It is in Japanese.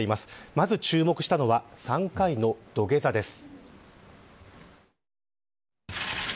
まず注目したのは３回の土下座です。